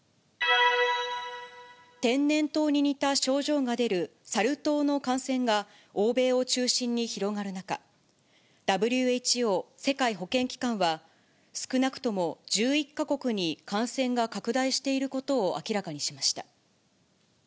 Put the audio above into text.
天然痘に似た症状が出るサル痘の感染が、欧米を中心に広がる中、ＷＨＯ・世界保健機関は、少なくとも１１か国に感染が拡大していることを明らかにしました。